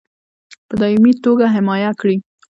په دایمي توګه حمایه کړي.